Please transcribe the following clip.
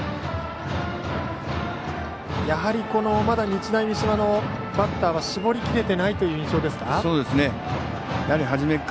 やはり日大三島のバッターは絞りきれていないという印象ですか。